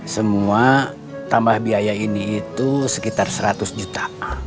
semua tambah biaya ini itu sekitar seratus juta